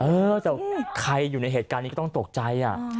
เออแต่ใครอยู่ในเหตุการณ์นี้ก็ต้องตกใจ